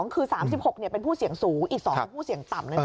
คือ๓๖เป็นผู้เสี่ยงสูงอีก๒ผู้เสี่ยงต่ำเลยนะ